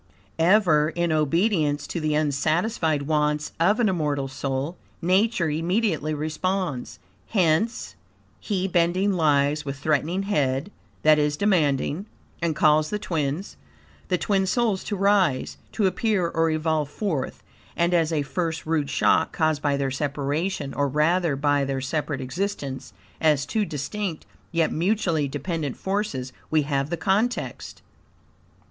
Ever, in obedience to the unsatisfied wants of an immortal soul Nature immediately responds. Hence "He bending lies with threatening head, (that is demanding)," and calls the twins (the twin souls) to rise (to appear or evolve forth)," and as a first rude shock caused by their separation, or, rather, by their separate existence as two distinct, yet mutually dependent, forces, we have the context.